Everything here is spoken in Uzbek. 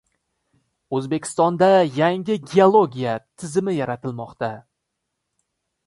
O‘zbekistonda yangi geologiya tizimi yaratilmoqda